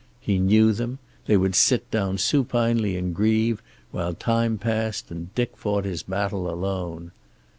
He knew them. They would sit down supinely and grieve, while time passed and Dick fought his battle alone.